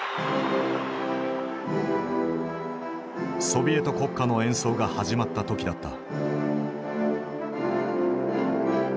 ソビエト国歌の演奏が始まった時だった。